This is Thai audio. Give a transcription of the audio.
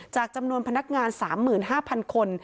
จำนวนพนักงาน๓๕๐๐๐คน